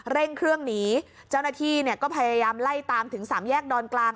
เร่งเครื่องหนีเจ้าหน้าที่เนี่ยก็พยายามไล่ตามถึงสามแยกดอนกลาง